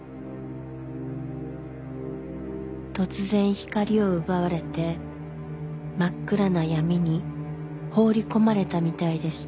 突然光を奪われて真っ暗な闇に放り込まれたみたいでした。